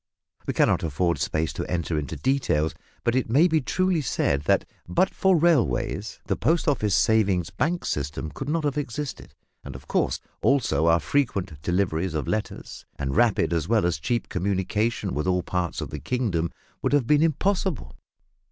We cannot afford space to enter into details, but it may be truly said that but for railways the Post Office Savings Bank system could not have existed; and of course, also, our frequent deliveries of letters and rapid as well as cheap communication with all parts of the kingdom would have been impossible.